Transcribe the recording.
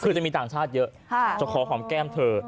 คือจะมีต่างชาติเยอะจะขอหอมแก้มเธอ